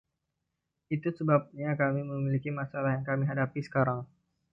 Itu sebabnya kami memiliki masalah yang kami hadapi sekarang.